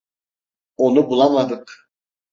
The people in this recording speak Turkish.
Onu bulamadık.